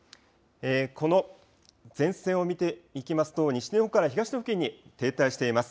この前線を見ていきますと西日本から東日本付近に停滞しています。